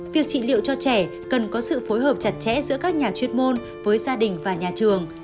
việc trị liệu cho trẻ cần có sự phối hợp chặt chẽ giữa các nhà chuyên môn với gia đình và nhà trường